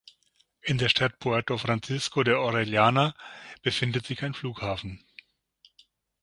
In der Stadt Puerto Francisco de Orellana befindet sich ein Flughafen.